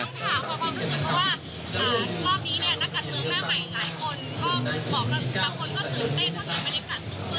แปลกดี